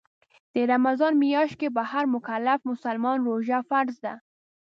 د رمضان میاشت کې په هر مکلف مسلمان روژه فرض ده